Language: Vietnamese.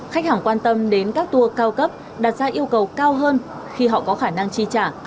khách hàng quan tâm đến các tour cao cấp đặt ra yêu cầu cao hơn khi họ có khả năng chi trả